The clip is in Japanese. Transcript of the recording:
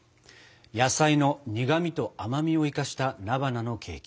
野菜の苦みと甘みを生かした菜花のケーキ。